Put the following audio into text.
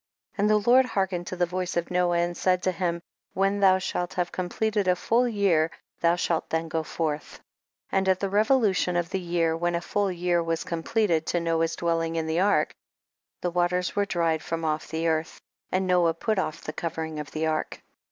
37. And the Lord hearkened to the voice of Noah, and said to him, when thou shalt have completed a full year thou shalt then go forth. 38. And at the revolution of the year, when a full year was comple ted to Noah's dwelling in the ark, the waters were dried from off the earth, and Noah put off the covering of the ark.